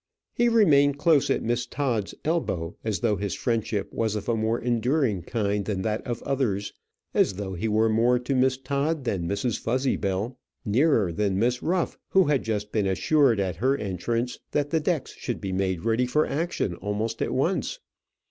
He remained close at Miss Todd's elbow, as though his friendship was of a more enduring kind than that of others, as though he were more to Miss Todd than Mrs. Fuzzybell, nearer than Miss Ruff who had just been assured at her entrance that the decks should be made ready for action almost at once.